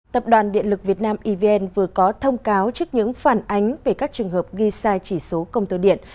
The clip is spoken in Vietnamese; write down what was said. tập đoàn điện lực việt nam evn vừa có thông cáo trước những phản ánh về các trường hợp ghi sai chỉ số công tơ điện